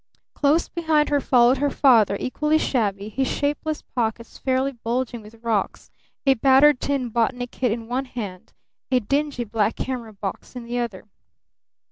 Close behind her followed her father, equally shabby, his shapeless pockets fairly bulging with rocks, a battered tin botany kit in one hand, a dingy black camera box in the other.